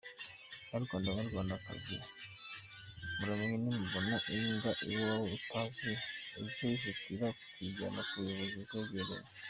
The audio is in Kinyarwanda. Banyarwanda banyarwandakazi muramenye nubona imbwa iwawe utazi ujye wihutira kuyijyana ku buyobozi bukwegereye.